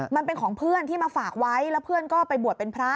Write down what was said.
มันเป็นของเพื่อนที่มาฝากไว้แล้วเพื่อนก็ไปบวชเป็นพระ